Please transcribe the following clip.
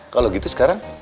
kalo gitu sekarang